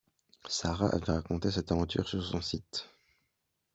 Sara avait raconté cette aventure sur son site